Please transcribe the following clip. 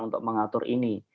untuk mengatur ini